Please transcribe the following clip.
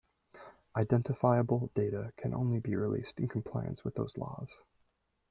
Identifiable data can only be released in compliance with those laws.